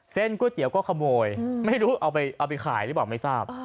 ก๋วยเตี๋ยวก็ขโมยไม่รู้เอาไปขายหรือเปล่าไม่ทราบ